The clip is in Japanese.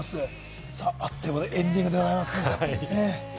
あっという間で、エンディングでございます。